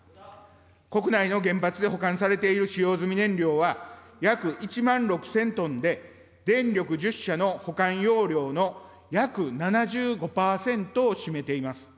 国内の原発で保管されている使用済み燃料は約１万６０００トンで電力１０社の保管容量の約７５％を占めています。